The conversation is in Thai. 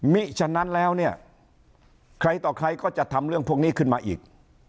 ฉะนั้นแล้วเนี่ยใครต่อใครก็จะทำเรื่องพวกนี้ขึ้นมาอีก